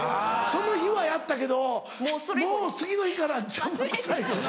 その日はやったけどもう次の日から邪魔くさいよな。